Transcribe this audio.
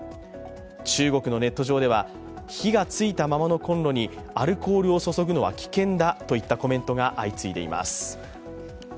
中国のネット上では、火がついたままのコンロにアルコールを注ぐのは危険だといったコメントが相次いでいます。